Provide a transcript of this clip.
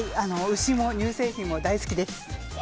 牛も乳製品も大好きです。